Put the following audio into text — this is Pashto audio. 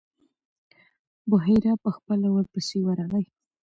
بحیرا په خپله ورپسې ورغی.